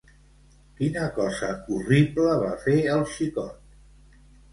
Quina cosa horrible va fer el xicot?